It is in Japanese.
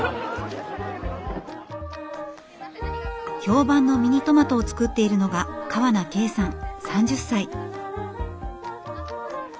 評判のミニトマトを作っているのが川名桂さん３０歳。